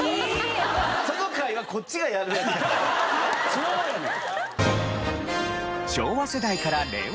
昭和やねん。